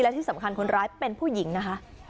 และที่สำคัญคนร้ายเป็นผู้หญิงนะคะ